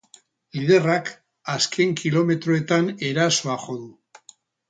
Liderrak azken kilometroetan erasoa jo du.